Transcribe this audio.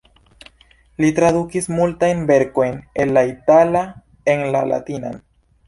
Li tradukis multajn verkojn el la itala en la latinan.